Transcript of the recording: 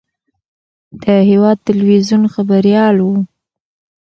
د هېواد تلویزیون خبریال و.